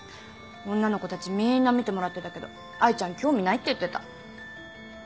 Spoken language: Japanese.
女の子たちみーんな見てもらってたけど愛ちゃん興味ないって言ってた。